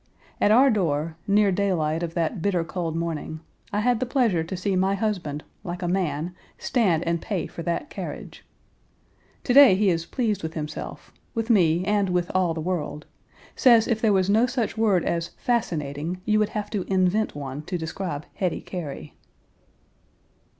At our door, near daylight of that bitter cold morning, I had the pleasure to see my husband, like a man, stand and pay for that carriage! To day he is pleased with himself, with me, and with all the world; says if there was no such word as "fascinating" you would have to invent one to describe Hetty Cary.